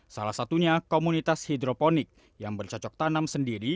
salah satunya komunitas hidroponik yang bercocok tanam sendiri